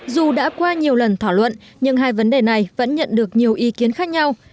dù đã qua nhiều lần thảo luận nhưng hai vấn đề này vẫn nhận được nhiều ý kiến khác nhau